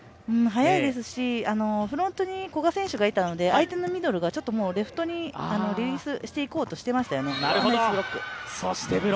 速いですし、フロントに古賀選手がいたのでもうレフトにリリースしていこうとしていましたよね。